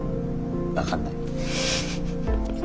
分かんない。